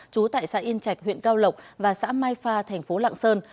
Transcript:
trú tại xã yên chạch huyện cao lộc và xã mai pha thành phố lạng sơn